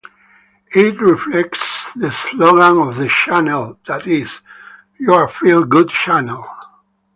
It reflects the slogan of the channel, that is "Your Feel Good Channel".